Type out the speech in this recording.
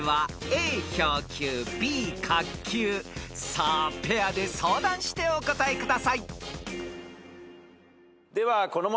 ［さあペアで相談してお答えください］ではこの問題